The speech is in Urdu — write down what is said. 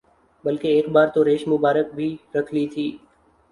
بلکہ ایک بار تو ریش مبارک بھی رکھ لی تھی